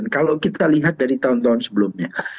kalau kita lihat dari tahun tahun sebelumnya